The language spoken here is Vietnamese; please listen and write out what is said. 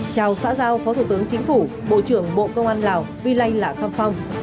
chào xã giao phó thủ tướng chính phủ bộ trưởng bộ công an lào vi lây lạ kham phong